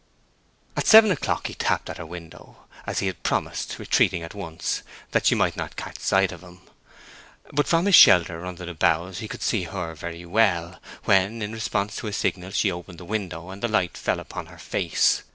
At seven o'clock he tapped at her window, as he had promised, retreating at once, that she might not catch sight of him. But from his shelter under the boughs he could see her very well, when, in response to his signal, she opened the window and the light fell upon her face.